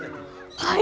はい。